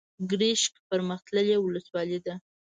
ګرشک پرمختللې ولسوالۍ ده.